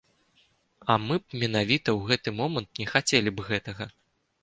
А мы б менавіта ў гэты момант не хацелі б гэтага.